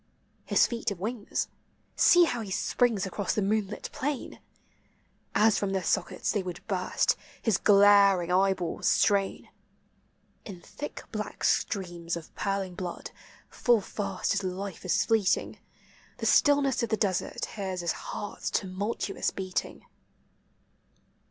His feet have wings; see how he springs across the moonlit plain ! As from their sockets they would burst, his glar ing eyeballs strain; In thick black streams of purling blood, full fast his life is fleeting; The stillness of the desert hears his heart's tu multuous beating.